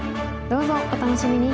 どうぞお楽しみに！